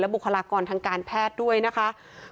บุคลากรทางการแพทย์ด้วยนะคะ